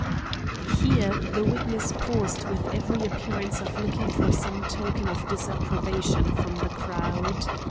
Here the witness paused with every appearance of looking for some token of disapprobation from the crowd.